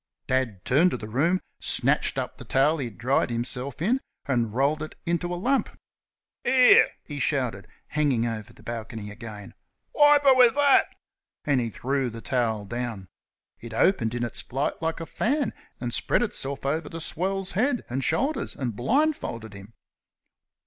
Dad turned to the room, snatched up the towel he had dried himself in and rolled it into a lump. "Here," he shouted hanging over the balcony again "wipe 'er with thet!" And he threw the towel down. It opened in its flight like a fan, and spread itself over the swell's head and shoulders and blindfolded him.